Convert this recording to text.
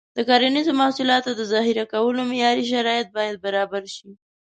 د کرنیزو محصولاتو د ذخیره کولو معیاري شرایط باید برابر شي.